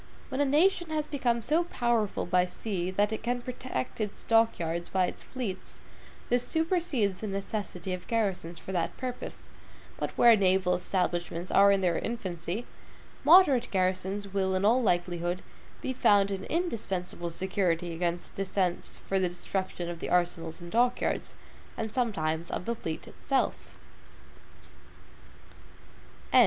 When a nation has become so powerful by sea that it can protect its dock yards by its fleets, this supersedes the necessity of garrisons for that purpose; but where naval establishments are in their infancy, moderate garrisons will, in all likelihood, be found an indispensable security against descents for the destruction of the arsenals and dock yards, and sometimes of the fleet itself.